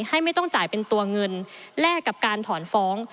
ไม่ต้องจ่ายเป็นตัวเงินแลกกับการถอนฟ้อง